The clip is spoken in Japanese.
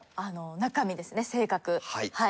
中身ですね「性格」はい。